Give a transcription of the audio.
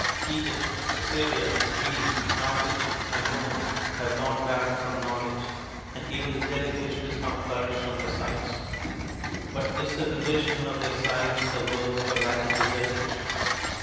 Egypt, Assyria, Greece, Carthage, and Rome have gone back from knowledge, and even the jelly fish does not flourish on their sites. But is the condition of their sites the worse for lacking the jelly fish?